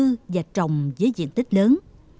đầu tư và trồng dưới diện tích lớn